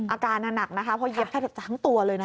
อาการหนักนะคะเพราะเย็บแทบทั้งตัวเลยนะ